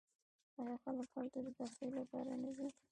آیا خلک هلته د تفریح لپاره نه ځي؟